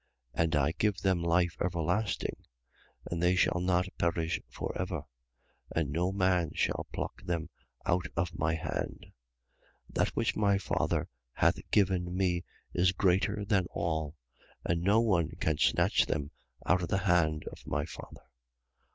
10:28. And I give them life everlasting: and they shall not perish for ever. And no man shall pluck them out of my hand. 10:29. That which my Father hath given me is greater than all: and no one can snatch them out of the hand of my Father.